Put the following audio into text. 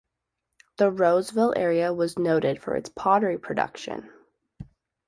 The Roseville area was noted for its pottery production.